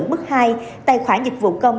bước hai tài khoản dịch vụ công